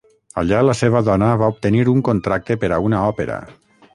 Allà, la seva dona, va obtenir un contracte per a una òpera.